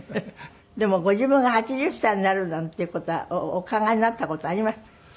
でもご自分が８０歳になるなんていう事はお考えになった事ありました？